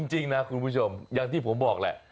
จริงนะคุณผู้ชมอย่างที่ผมบอกแหละ